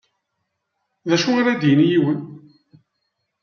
D acu ara d-yini yiwen?